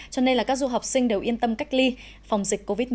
cho nên là các du học sinh đều yên tâm cách ly phòng dịch covid một mươi chín